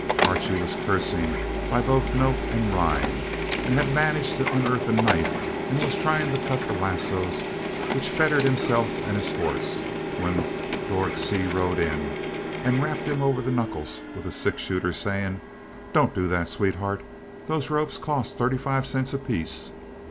Archie was cursing by both note and rhyme, and had managed to unearth a knife and was trying to cut the lassos which fettered himself and horse, when Dorg Seay rode in and rapped him over the knuckles with a six shooter, saying, "Don't do that, sweetheart; those ropes cost thirty five cents apiece."